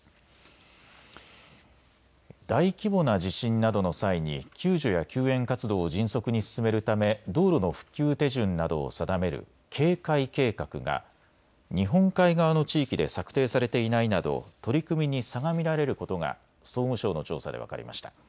大規模な地震などの際に救助や救援活動を迅速に進めるため道路の復旧手順などを定める啓開計画が日本海側の地域で策定されていないなど取り組みに差が見られることが総務省の調査で分かりました。